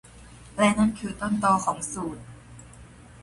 และนั่นคือต้นตอของสูต